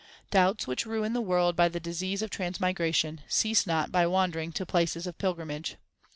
Doubts which ruin the world by the disease of trans migration, cease not by wandering to places of pilgrimage.